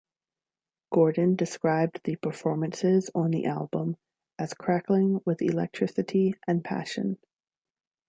Gordon described the performances on the album as "crackling with electricity and passion".